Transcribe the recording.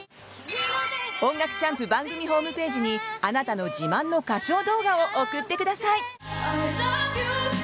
「音楽チャンプ」番組ホームページにあなたの自慢の歌唱動画を送ってください。